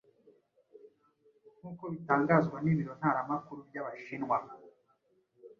nkuko bitangazwa n’Ibiro ntamakuru by’Abashinwa